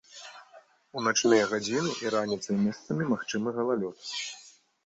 У начныя гадзіны і раніцай месцамі магчымы галалёд.